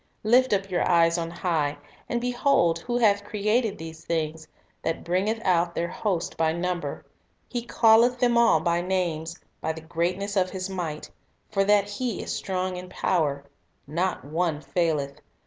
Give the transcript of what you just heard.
"Lift up your eyes on high, and behold who hath created these things, that bringeth out their host by number; He callcth them all by names by the greatness of His might, for that He is strong in power; not one "• Vo <" nc faileth.